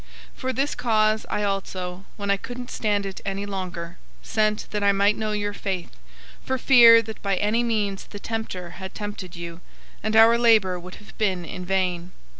003:005 For this cause I also, when I couldn't stand it any longer, sent that I might know your faith, for fear that by any means the tempter had tempted you, and our labor would have been in vain.